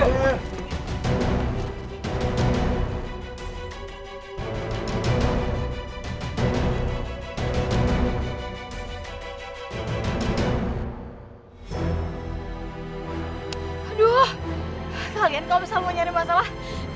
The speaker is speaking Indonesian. aduh kalian kok bisa lu nyari masalah